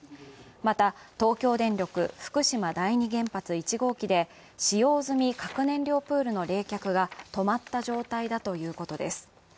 また東京電力福島第二原発１号機で使用済み核燃料プールの冷却が止まった状態だということです。